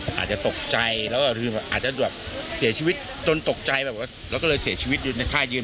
อาจจะตกใจแล้วก็คืออาจจะแบบเสียชีวิตจนตกใจแบบว่าเราก็เลยเสียชีวิตอยู่ในท่ายืน